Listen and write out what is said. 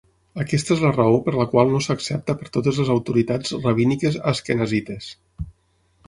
Aquesta es la raó per la qual no s'accepta per totes les autoritats rabíniques asquenazites.